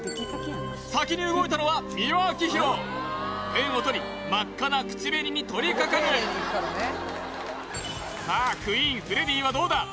先に動いたのは美輪明宏ペンを取り真っ赤な口紅に取りかかるさあＱＵＥＥＮフレディはどうだ？